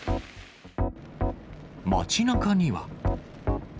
街なかには。